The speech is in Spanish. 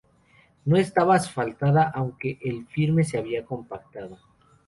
No estaba asfaltada, aunque el firme se había compactado.